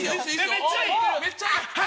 めっちゃいい！